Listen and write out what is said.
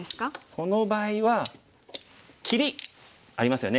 この場合は切りありますよね。